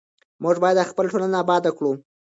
موږ باید خپله ټولنه اباده کړو.